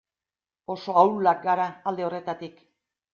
Oso ahulak gara alde horretatik.